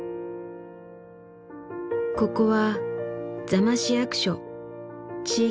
ここは座間市役所地域福祉課。